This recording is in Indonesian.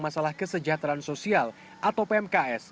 masalah kesejahteraan sosial atau pmks